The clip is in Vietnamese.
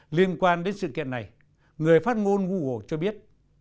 liên quan đến sự kiện này người phát ngôn google cho biết